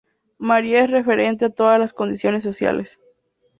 María es referente de todas las condiciones sociales.